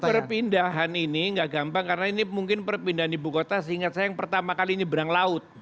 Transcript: ini perpindahan ini gak gampang karena ini mungkin perpindahan ibu kota seingat saya yang pertama kali ini berang laut